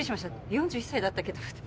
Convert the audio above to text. ４１歳だったっけ？と思って。